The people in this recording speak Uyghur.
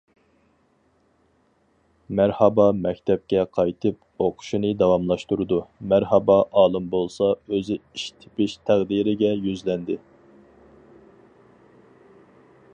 مەرھابا مەكتەپكە قايتىپ ئوقۇشىنى داۋاملاشتۇرىدۇ، مەرھابا ئالىم بولسا ئۆزى ئىش تېپىش تەقدىرىگە يۈزلەندى.